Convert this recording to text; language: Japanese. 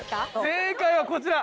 正解はこちら。